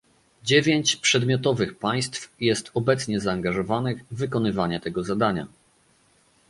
Dziewięć przedmiotowych państw jest obecnie zaangażowanych w wykonywanie tego zadania